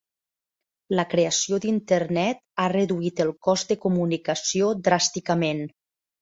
La creació d'Internet ha reduït el cost de comunicació dràsticament.